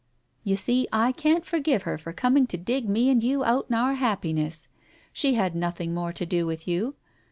You see, I can't forgive her for coming to dig me and you out in our happiness. She had nothing more to do with you.